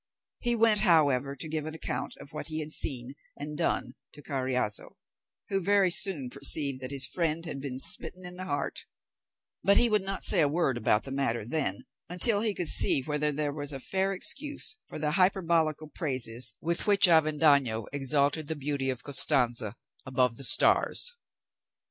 He went, however, to give an account of what he had seen and done to Carriazo, who very soon perceived that his friend had been smitten in the heart; but he would not say a word about the matter then, until he should see whether there was a fair excuse for the hyperbolical praises with which Avendaño exalted the beauty of Costanza above the stars.